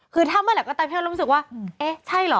คือถ้ามะแหละก็ตามแหละรู้สึกว่าเอ๊ะใช่หรอ